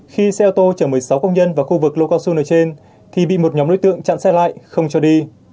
khi xe ô tô chở một mươi sáu công nhân vào khu vực lô cao xu nơi trên thì bị một nhóm đối tượng chặn xe lại không cho đi